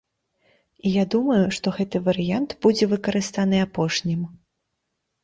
І я думаю, што гэты варыянт будзе выкарыстаны апошнім.